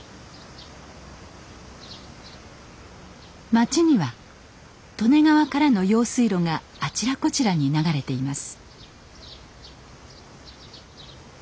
町には利根川からの用水路があちらこちらに流れています。